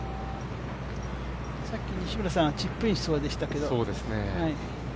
さっき西村さんは、チップインしそうでしたけど。